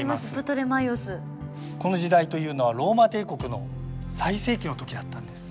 この時代というのはローマ帝国の最盛期のときだったんです。